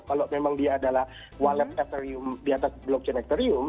kalau memang dia adalah wallet ethereum di atas blockchain ethereum